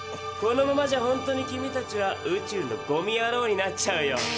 このままじゃほんとに君たちは宇宙のゴミやろうになっちゃうよ。